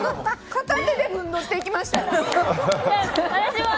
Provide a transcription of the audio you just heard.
片手でぶんどっていきましたよ。